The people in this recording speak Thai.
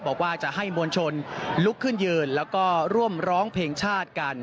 บอกว่าจะให้มวลชนลุกขึ้นยืนแล้วก็ร่วมร้องเพลงชาติกัน